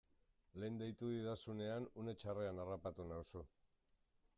Lehen deitu didazunean une txarrean harrapatu nauzu.